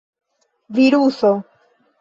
viruso